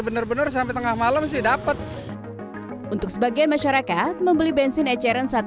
benar benar sampai tengah malam sih dapet untuk sebagian masyarakat membeli bensin eceran saat